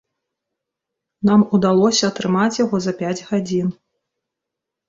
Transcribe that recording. Нам удалося атрымаць яго за пяць гадзін.